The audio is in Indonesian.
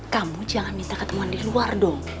kamu jangan minta ketemuan di luar dong